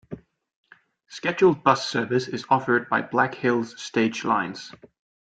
Scheduled bus service is offered by Black Hills Stage Lines.